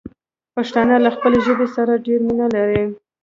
پښتانه له خپلې ژبې سره ډېره مينه لري.